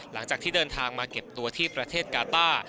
หลังจากที่เดินทางมาเก็บตัวที่ประเทศกาต้า